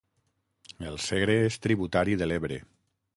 El Segre és tributari de l'Ebre.